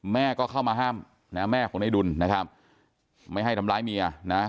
แม่ก็เข้ามาห้ามนะแม่ของในดุลนะครับไม่ให้ทำร้ายเมียนะ